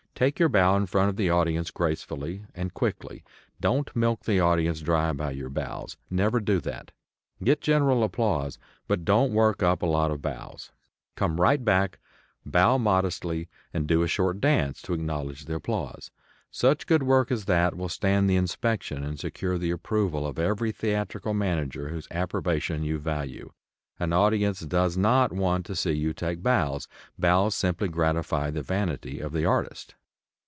Take your bow in front of the audience gracefully and quickly. Don't milk the audience dry by your bows. Never do that. Get general applause, but don't work up a lot of bows. Come right back, bow modestly and do a short dance, to acknowledge the applause. Such good work as that will stand the inspection and secure the approval of every theatrical manager whose approbation you value. An audience does not want to see you take bows. Bows simply gratify the vanity of the artist.